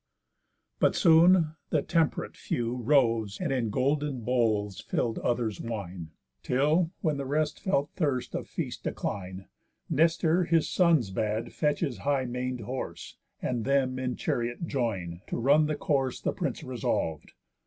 But soon the temp'rate few Rose, and in golden bowls fill'd others wine. Till, when the rest felt thirst of feast decline, Nestor his sons bad fetch his high man'd horse, And them in chariot join, to run the course The prince resolv'd.